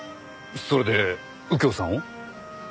それで右京さんを？